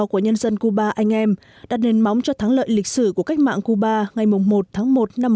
của nhân dân cuba anh em đã nên móng cho thắng lợi lịch sử của cách mạng cuba ngày một tháng một